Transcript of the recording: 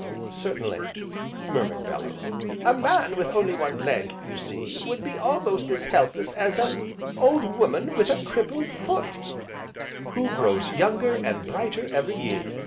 "Certainly!" murmured Bellew. "A man with only one leg, you see, would be almost as helpless as an old woman with a crippled foot, " "Who grows younger, and brighter, every year!"